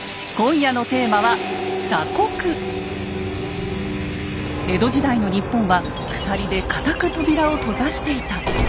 今夜のテーマは江戸時代の日本は鎖で固く扉を閉ざしていた。